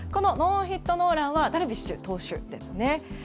ノーヒットノーランはダルビッシュ投手ですね。